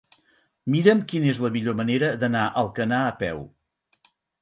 Mira'm quina és la millor manera d'anar a Alcanar a peu.